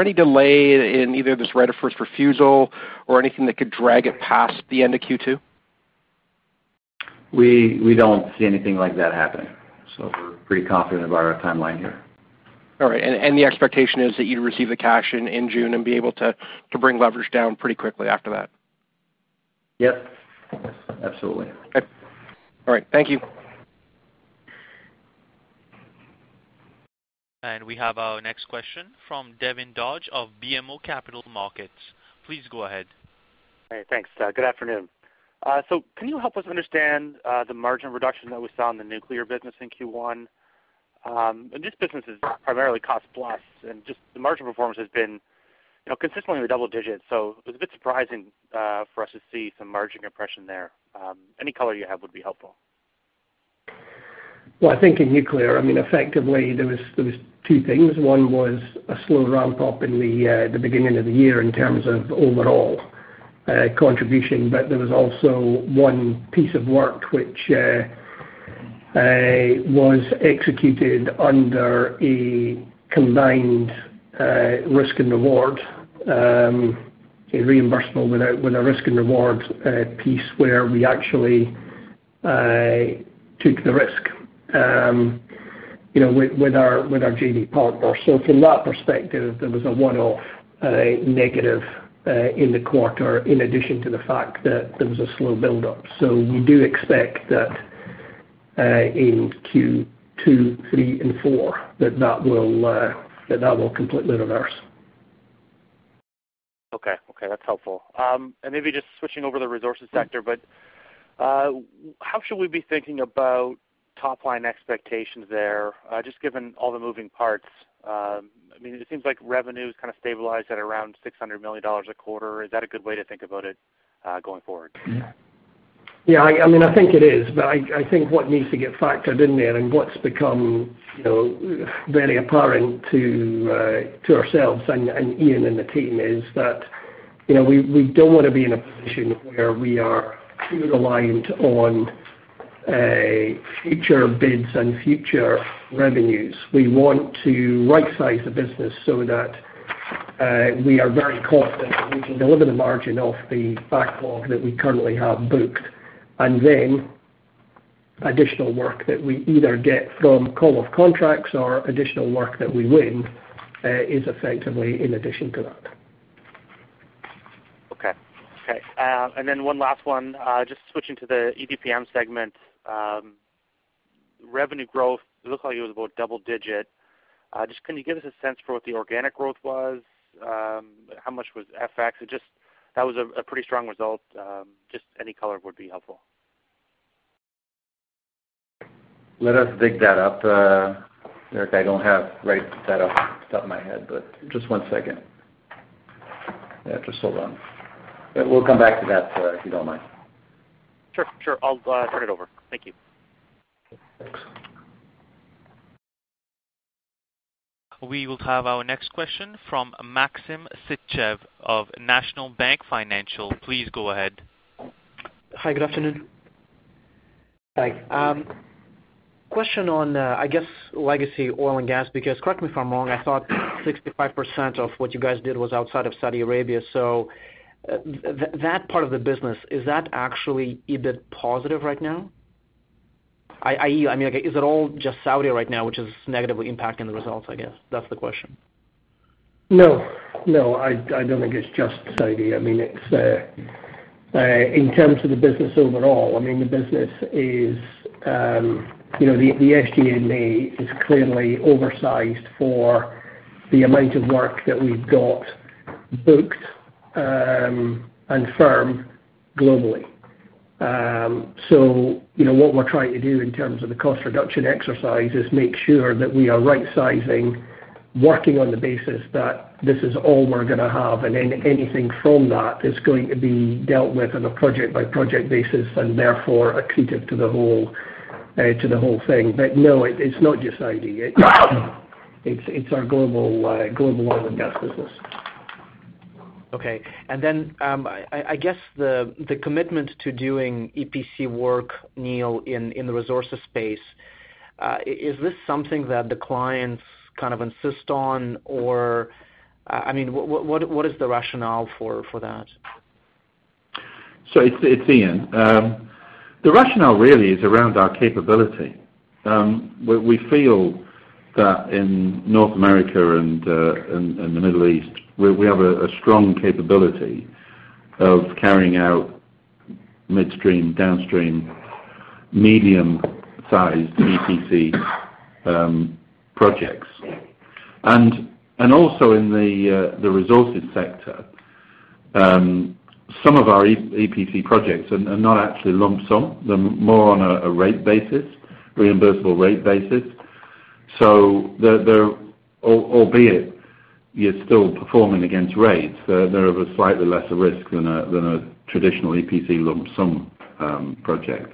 any delay in either this right of first refusal or anything that could drag it past the end of Q2? We don't see anything like that happening. We're pretty confident about our timeline here. All right. The expectation is that you'd receive the cash in June and be able to bring leverage down pretty quickly after that? Yep. Absolutely. Okay. All right. Thank you. We have our next question from Devin Dodge of BMO Capital Markets. Please go ahead. Hey, thanks. Good afternoon. Can you help us understand the margin reduction that we saw in the nuclear business in Q1? This business is primarily cost plus, the margin performance has been consistently in the double digits. It was a bit surprising for us to see some margin compression there. Any color you have would be helpful. Well, I think in nuclear, effectively there was two things. One was a slow ramp-up in the beginning of the year in terms of overall contribution, there was also one piece of work which was executed under a combined risk and reward, a reimbursable with a risk and reward piece where we actually took the risk with our JV partner. From that perspective, there was a one-off negative in the quarter, in addition to the fact that there was a slow buildup. We do expect that in Q2, three and four, that will completely reverse. Okay. That's helpful. Maybe just switching over to the resources sector, how should we be thinking about top-line expectations there, just given all the moving parts? It seems like revenue's kind of stabilized at around 600 million dollars a quarter. Is that a good way to think about it going forward? Yeah. I think it is, but I think what needs to get factored in there and what's become very apparent to ourselves and Ian and the team is that, we don't want to be in a position where we are too reliant on future bids and future revenues. We want to right-size the business so that we are very confident that we can deliver the margin off the backlog that we currently have booked, additional work that we either get from call-off contracts or additional work that we win is effectively in addition to that. Okay. One last one, just switching to the EDPM segment. Revenue growth, it looked like it was about double digit. Can you give us a sense for what the organic growth was? How much was FX? That was a pretty strong result. Any color would be helpful. Let us dig that up. Eric, I don't have right off the top of my head, but just one second. Yeah, just hold on. We'll come back to that, if you don't mind. Sure. I'll turn it over. Thank you. Thanks. We will have our next question from Maxim Sytchev of National Bank Financial. Please go ahead. Hi, good afternoon. Hi. Question on, I guess, legacy oil and gas, because correct me if I'm wrong, I thought 65% of what you guys did was outside of Saudi Arabia. That part of the business, is that actually EBITDA positive right now? I mean, is it all just Saudi right now, which is negatively impacting the results, I guess? That's the question. No. I don't think it's just Saudi. In terms of the business overall, the SG&A is clearly oversized for the amount of work that we've got booked and firm globally. What we're trying to do in terms of the cost reduction exercise is make sure that we are right-sizing, working on the basis that this is all we're going to have, and anything from that is going to be dealt with on a project-by-project basis and therefore accretive to the whole thing. No, it's not just Saudi. It's our global oil and gas business. Okay. I guess the commitment to doing EPC work, Neil, in the resources space, is this something that the clients kind of insist on, or what is the rationale for that? It is Ian. The rationale really is around our capability. We feel that in North America and the Middle East, we have a strong capability of carrying out midstream/downstream medium-sized EPC projects. Also in the resources sector, some of our EPC projects are not actually lump sum. They are more on a reimbursable rate basis. Albeit you are still performing against rates, they are of a slightly lesser risk than a traditional EPC lump sum project.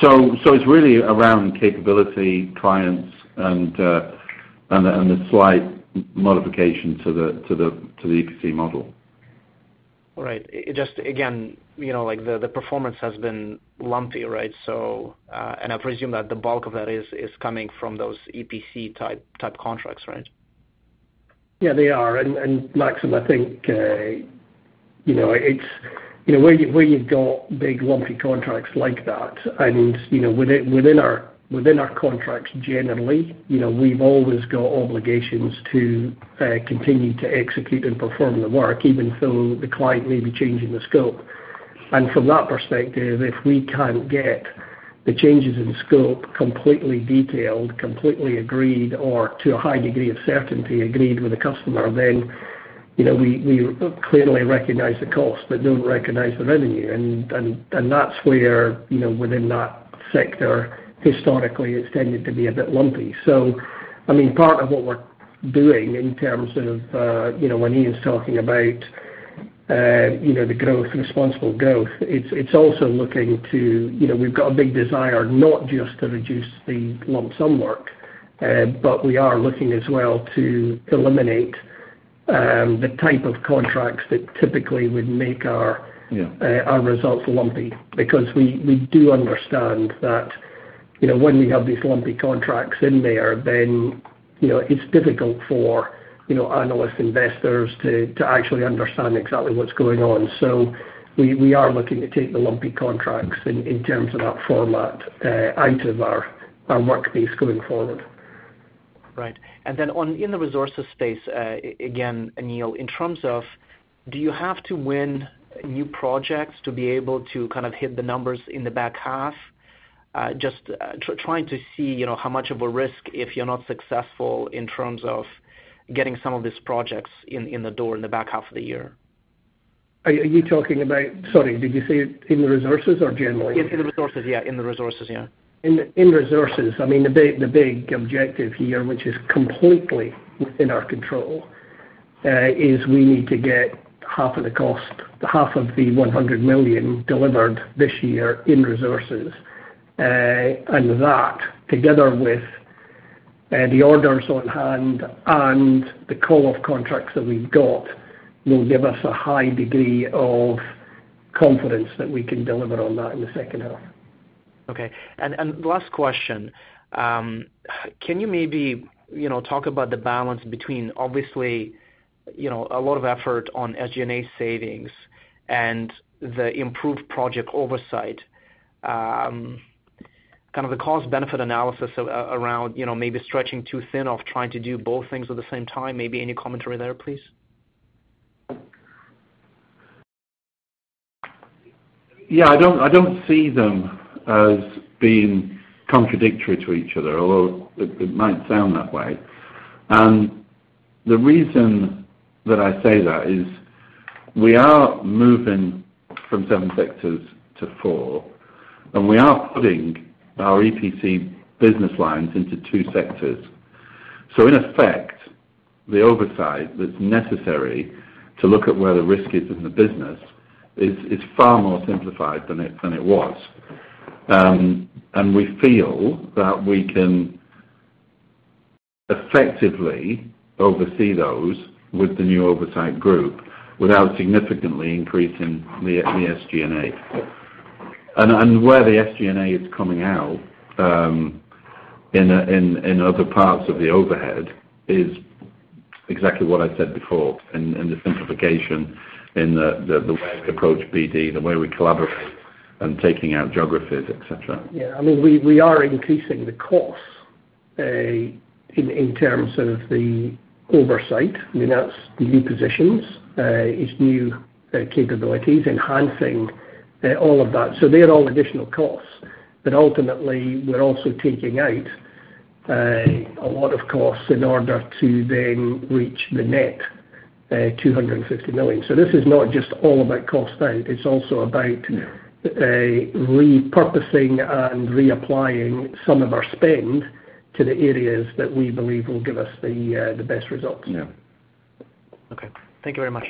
It is really around capability, clients, and a slight modification to the EPC model. Right. Just again, the performance has been lumpy, right? I presume that the bulk of that is coming from those EPC-type contracts, right? Yes, they are. Maxim, I think where you have got big lumpy contracts like that, within our contracts, generally, we have always got obligations to continue to execute and perform the work, even though the client may be changing the scope. From that perspective, if we cannot get the changes in scope completely detailed, completely agreed, or to a high degree of certainty agreed with the customer, then we clearly recognize the cost but do not recognize the revenue. That is where within that sector, historically, it has tended to be a bit lumpy. Part of what we are doing in terms of when Ian is talking about the responsible growth, we have got a big desire not just to reduce the lump sum work, but we are looking as well to eliminate the type of contracts that typically would make our- Yeah our results lumpy. We do understand that when we have these lumpy contracts in there, then it is difficult for analyst investors to actually understand exactly what is going on. We are looking to take the lumpy contracts in terms of that format out of our workspace going forward. Right. In the resources space, again, Neil, in terms of do you have to win new projects to be able to hit the numbers in the back half? Just trying to see how much of a risk if you're not successful in terms of getting some of these projects in the door in the back half of the year. Are you talking about Sorry, did you say in the resources or generally? In the resources, yeah. In resources, the big objective here, which is completely within our control, is we need to get half of the cost, half of the 100 million delivered this year in resources. That, together with the orders on hand and the call of contracts that we've got, will give us a high degree of confidence that we can deliver on that in the second half. Okay. Last question, can you maybe talk about the balance between, obviously, a lot of effort on SG&A savings and the improved project oversight, the cost-benefit analysis around maybe stretching too thin of trying to do both things at the same time, maybe any commentary there, please? Yeah, I don't see them as being contradictory to each other, although it might sound that way. The reason that I say that is we are moving from seven sectors to four, and we are putting our EPC business lines into two sectors. In effect, the oversight that's necessary to look at where the risk is in the business is far more simplified than it was. We feel that we can effectively oversee those with the new oversight group without significantly increasing the SG&A. Where the SG&A is coming out in other parts of the overhead is exactly what I said before in the simplification in the way we approach BD, the way we collaborate and taking out geographies, et cetera. Yeah. We are increasing the costs in terms of the oversight. That's the new positions, it's new capabilities, enhancing all of that. They're all additional costs. Ultimately, we're also taking out a lot of costs in order to then reach the net 250 million. This is not just all about cost out, it's also about. Yeah Repurposing and reapplying some of our spend to the areas that we believe will give us the best results. Yeah. Okay. Thank you very much.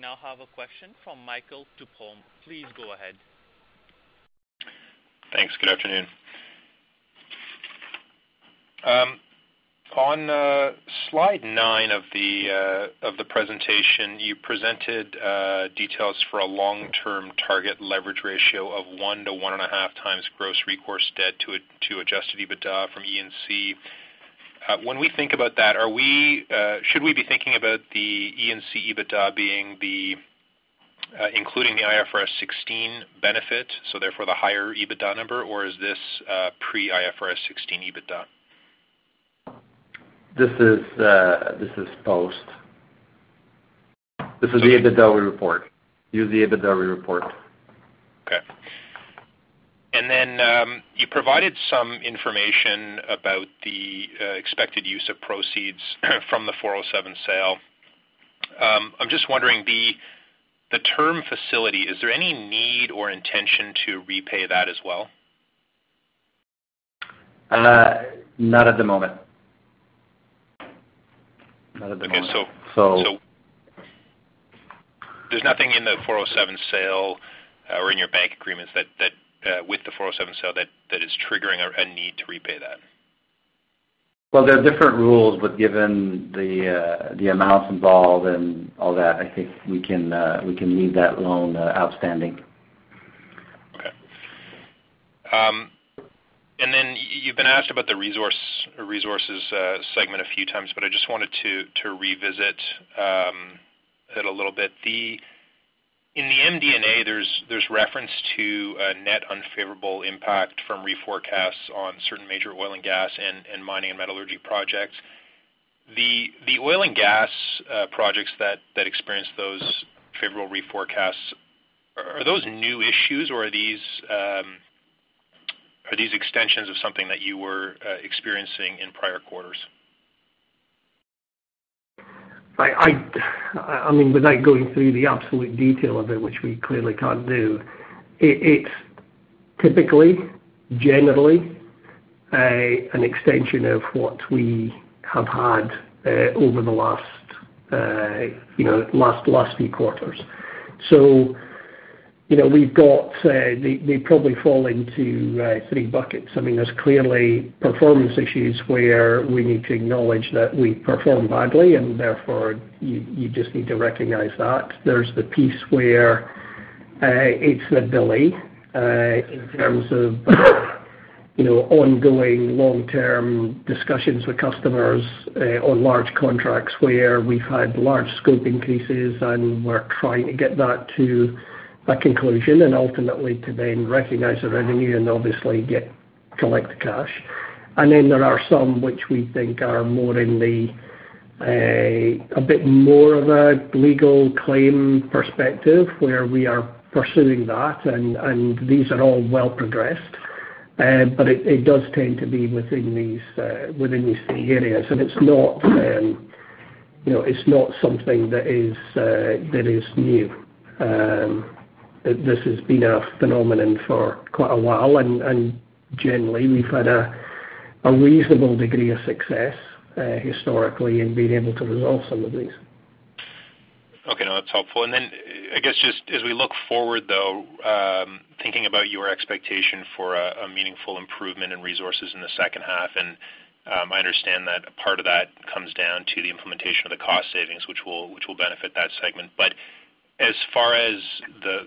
We now have a question from Michael Tupholme. Please go ahead. Thanks. Good afternoon. On slide nine of the presentation, you presented details for a long-term target leverage ratio of one to one and a half times gross recourse debt to adjusted EBITDA from E&C. We think about that, should we be thinking about the E&C EBITDA including the IFRS 16 benefit, so therefore the higher EBITDA number? Is this pre-IFRS 16 EBITDA? This is post. This is the EBITDA we report. Use the EBITDA we report. Okay. Then you provided some information about the expected use of proceeds from the 407 sale. I'm just wondering, the term facility, is there any need or intention to repay that as well? Not at the moment. Okay. There's nothing in the 407 sale or in your bank agreements with the 407 sale that is triggering a need to repay that? Well, there are different rules, given the amounts involved and all that, I think we can leave that loan outstanding. Okay. You've been asked about the resources segment a few times, but I just wanted to revisit it a little bit. In the MD&A, there's reference to a net unfavorable impact from reforecasts on certain major oil and gas and mining and metallurgy projects. The oil and gas projects that experienced those favorable reforecasts, are those new issues, or are these extensions of something that you were experiencing in prior quarters? Without going through the absolute detail of it, which we clearly can't do, it's typically, generally, an extension of what we have had over the last few quarters. They probably fall into three buckets. There's clearly performance issues where we need to acknowledge that we performed badly, and therefore, you just need to recognize that. There's the piece where it's a delay in terms of ongoing long-term discussions with customers on large contracts where we've had large scope increases, and we're trying to get that to a conclusion and ultimately to then recognize the revenue and obviously collect the cash. There are some which we think are a bit more of a legal claim perspective, where we are pursuing that, and these are all well progressed. It does tend to be within these three areas. It's not something that is new. This has been a phenomenon for quite a while, and generally, we've had a reasonable degree of success historically in being able to resolve some of these. Okay. No, that's helpful. Just as we look forward, though, thinking about your expectation for a meaningful improvement in resources in the second half, and I understand that a part of that comes down to the implementation of the cost savings, which will benefit that segment. As far as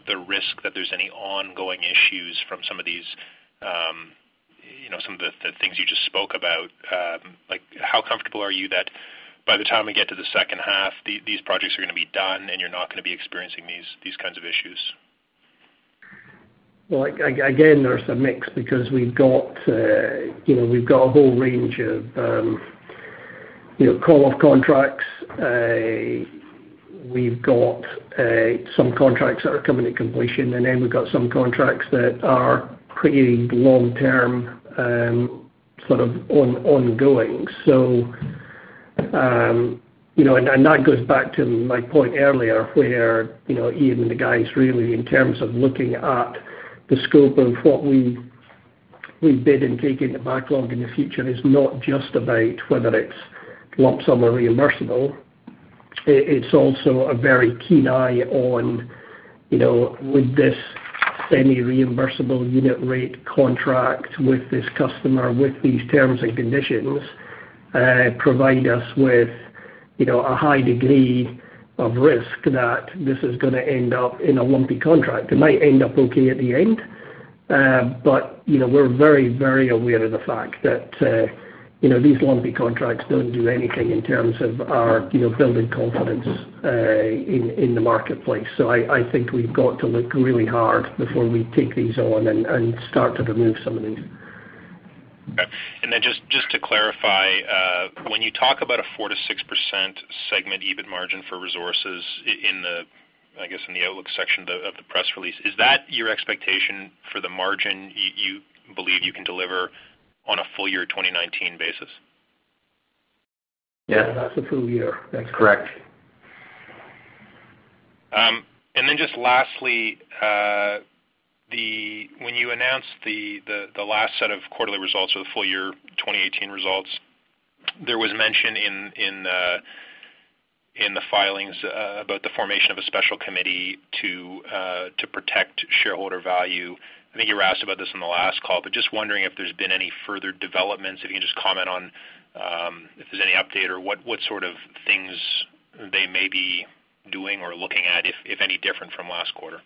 the risk that there's any ongoing issues from some of the things you just spoke about, how comfortable are you that by the time we get to the second half, these projects are going to be done, and you're not going to be experiencing these kinds of issues? Well, again, there's a mix because we've got a whole range of call-off contracts. We've got some contracts that are coming to completion, and then we've got some contracts that are pretty long-term, sort of ongoing. That goes back to my point earlier, where Ian and the guys really, in terms of looking at the scope of what we bid and take in the backlog in the future is not just about whether it's lump sum or reimbursable. It's also a very keen eye on, would this semi-reimbursable unit rate contract with this customer, with these terms and conditions, provide us with a high degree of risk that this is going to end up in a lumpy contract. It might end up okay at the end, but we're very aware of the fact that these lumpy contracts don't do anything in terms of our building confidence in the marketplace. I think we've got to look really hard before we take these on and start to remove some of these. Okay. Just to clarify, when you talk about a 4%-6% segment EBIT margin for Resources, I guess, in the outlook section of the press release, is that your expectation for the margin you believe you can deliver on a full-year 2019 basis? Yeah. That's a full year. Correct. Just lastly, when you announced the last set of quarterly results for the full year 2018 results, there was mention in the filings about the formation of a special committee to protect shareholder value. I think you were asked about this on the last call. Just wondering if there's been any further developments. If you can just comment on if there's any update or what sort of things they may be doing or looking at, if any different from last quarter.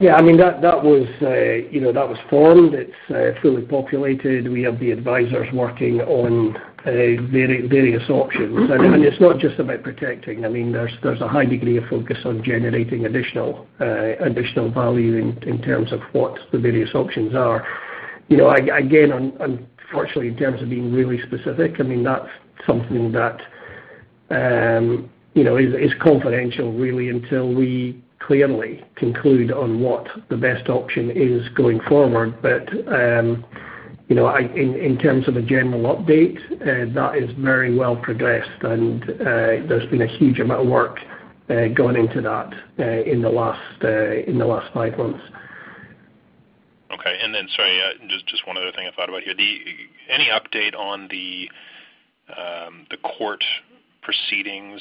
Yeah, that was formed. It's fully populated. We have the advisors working on various options. It's not just about protecting. There's a high degree of focus on generating additional value in terms of what the various options are. Again, unfortunately, in terms of being really specific, that's something that is confidential, really, until we clearly conclude on what the best option is going forward. In terms of a general update, that is very well progressed, and there's been a huge amount of work gone into that in the last five months. Okay. Sorry, just one other thing I thought about here. Any update on the court proceedings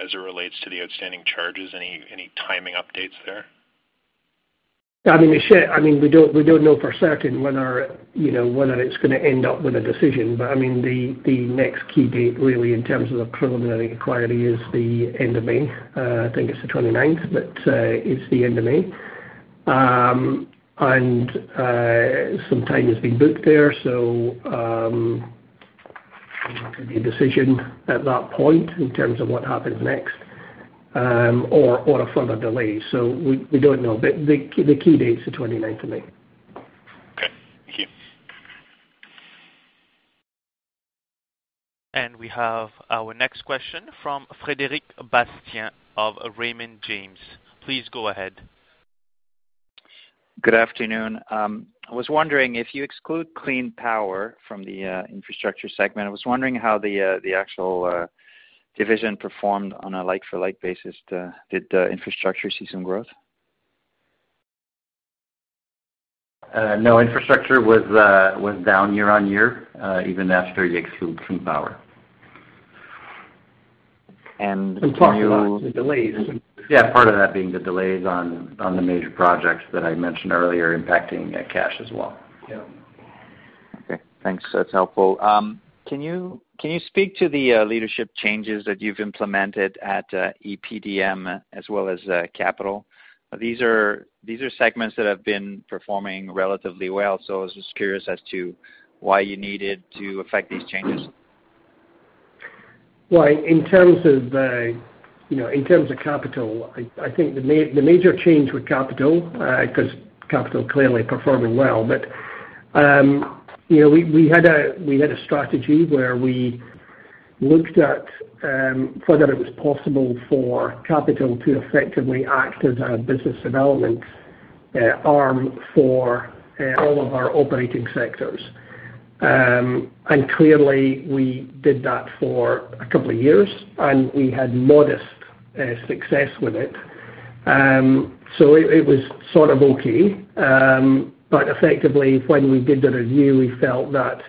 as it relates to the outstanding charges? Any timing updates there? We don't know for certain whether it's going to end up with a decision. The next key date really, in terms of the preliminary inquiry, is the end of May. I think it's the 29th. It's the end of May. Some time has been booked there. There could be a decision at that point in terms of what happens next or a further delay. We don't know. The key date's the 29th of May. Okay. Thank you. We have our next question from Frederic Bastien of Raymond James. Please go ahead. Good afternoon. I was wondering if you exclude Clean Power from the infrastructure segment. I was wondering how the actual division performed on a like-for-like basis. Did infrastructure see some growth? No. Infrastructure was down year-on-year, even after you exclude Clean Power. Plus the delays. Part of that being the delays on the major projects that I mentioned earlier impacting cash as well. Yeah. Thanks. That's helpful. Can you speak to the leadership changes that you've implemented at EDPM as well as Capital? These are segments that have been performing relatively well, I was just curious as to why you needed to effect these changes. In terms of Capital, I think the major change with Capital, because Capital clearly performing well, but we had a strategy where we looked at whether it was possible for Capital to effectively act as a business development arm for all of our operating sectors. Clearly, we did that for a couple of years, and we had modest success with it. It was sort of okay. Effectively, when we did the review, we felt that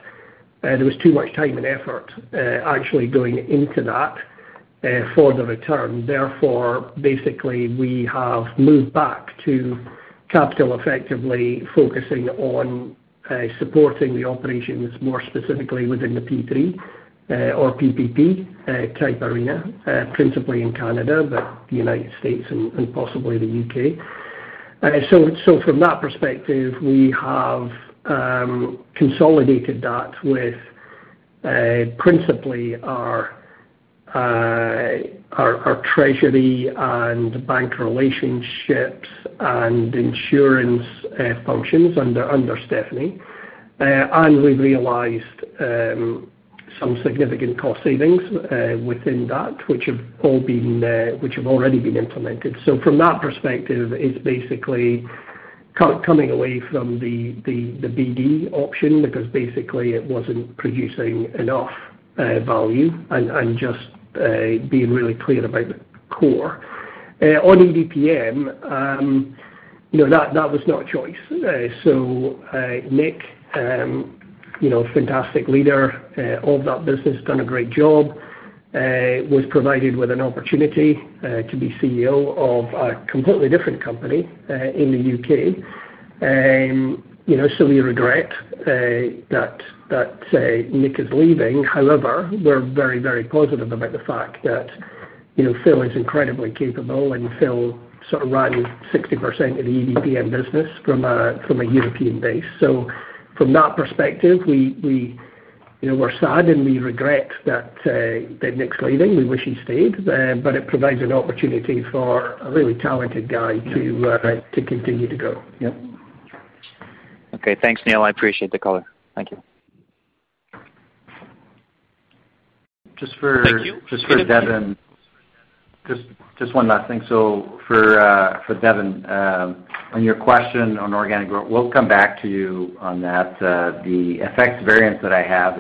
there was too much time and effort actually going into that for the return. Basically, we have moved back to Capital effectively focusing on supporting the operations more specifically within the P3 or PPP type arena principally in Canada, but the United States and possibly the U.K. From that perspective, we have consolidated that with principally our treasury and bank relationships and insurance functions under Stéphanie. We realized some significant cost savings within that which have already been implemented. From that perspective, it's basically coming away from the BD option because basically it wasn't producing enough value and just being really clear about the core. On EDPM, that was not a choice. Nick, fantastic leader of that business, done a great job, was provided with an opportunity to be CEO of a completely different company in the U.K. We regret that Nick is leaving. However, we're very, very positive about the fact that Phil is incredibly capable and Phil sort of ran 60% of the EDPM business from a European base. From that perspective, we're sad, and we regret that Nick's leaving. We wish he stayed, but it provides an opportunity for a really talented guy to continue to grow. Yep. Okay, thanks, Neil. I appreciate the color. Thank you. Thank you. Thank you. Just for Devin, just one last thing. For Devin, on your question on organic growth, we'll come back to you on that. The effects variance that I have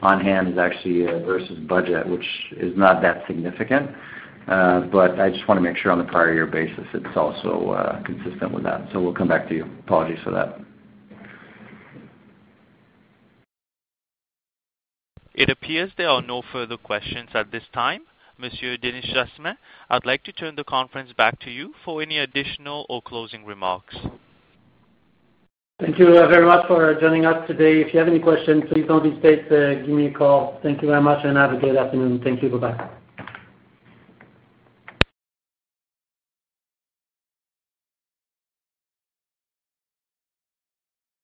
on hand is actually versus budget, which is not that significant. I just want to make sure on the prior year basis, it's also consistent with that. We'll come back to you. Apologies for that. It appears there are no further questions at this time. Monsieur Denis Jasmin, I'd like to turn the conference back to you for any additional or closing remarks. Thank you very much for joining us today. If you have any questions, please don't hesitate to give me a call. Thank you very much and have a great afternoon. Thank you. Bye-bye.